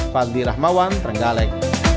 fadli rahmawan trenggaleg